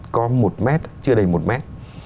có một mét chưa đầy một mét